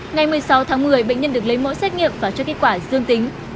ngày một mươi sáu tháng một mươi bệnh nhân được lấy mẫu xét nghiệm và cho kết quả dương tính